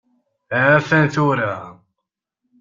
A-t-an tura!